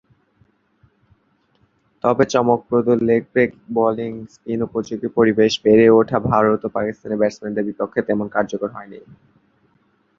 তবে, চমকপ্রদ leg break bowling spin উপযোগী পরিবেশে বেড়ে ওঠা ভারত ও পাকিস্তানি ব্যাটসম্যানদের বিপক্ষে তেমন কার্যকর হয়নি।